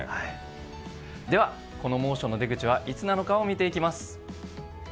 この猛暑の出口はいつなのかを見ていきます。